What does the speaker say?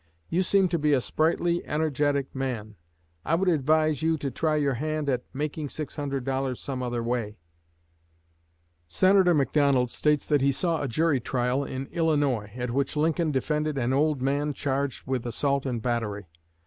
You seem to be a sprightly, energetic man. I would advise you to try your hand at making six hundred dollars some other way." Senator McDonald states that he saw a jury trial in Illinois, at which Lincoln defended an old man charged with assault and battery.